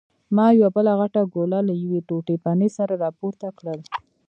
ما یوه بله غټه ګوله له یوې ټوټې پنیر سره راپورته کړل.